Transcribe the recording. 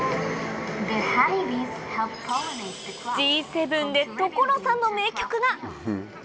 Ｇ７で所さんの名曲が！